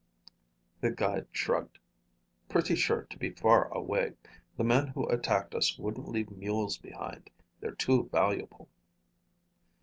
The guide shrugged. "Pretty sure to be far away. The men who attacked us wouldn't leave mules behind. They're too valuable."